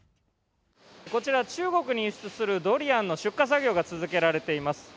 こちら、中国に輸出するドリアンの出荷作業が続けられています。